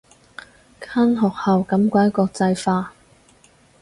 間學校咁鬼國際化